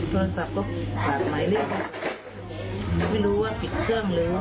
ก็เป็นห่วงเลย